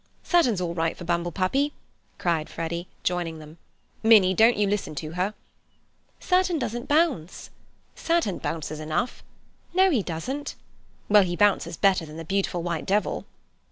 "Saturn's all right for bumble puppy," cried Freddy, joining them. "Minnie, don't you listen to her." "Saturn doesn't bounce." "Saturn bounces enough." "No, he doesn't." "Well; he bounces better than the Beautiful White Devil."